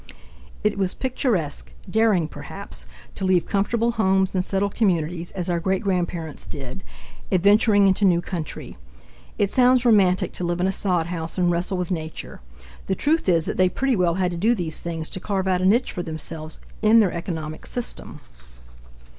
It was picturesque daring, perhaps to leave comfortable homes and settled communities as our great grandparents did, adventuring into new country. It sounds romantic to live in a sodhouse and wrestle with nature. The truth is that they pretty well had to do these things to carve out a niche for themselves in their economic system.